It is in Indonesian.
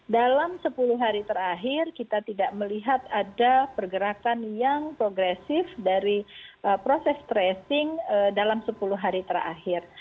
dalam sepuluh hari terakhir kita tidak melihat ada pergerakan yang progresif dari proses tracing dalam sepuluh hari terakhir